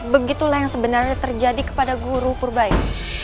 begitulah yang sebenarnya terjadi kepada guru purbai